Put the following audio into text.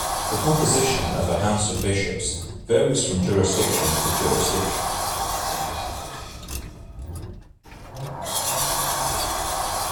The composition of a House of Bishops varies from jurisdiction to jurisdiction.